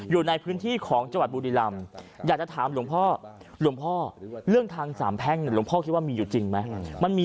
อยู่ในพื้นที่ของจังหวัดบุริลำอยากจะถามหลวงพ่อหลวงพ่อ